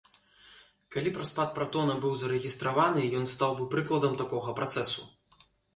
Калі б распад пратона быў зарэгістраваны, ён стаў бы прыкладам такога працэсу.